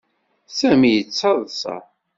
Sami yettaḍsa.